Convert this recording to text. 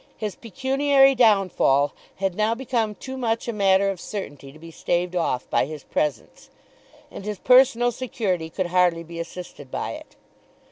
His pecuniary downfall had now become too much a matter of certainty to be staved off by his presence; and his personal security could hardly be assisted by it.